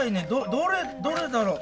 どれどれだろう？